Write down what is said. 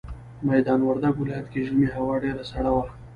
ميدان وردګ ولايت کي ژمي هوا ډيره سړه وي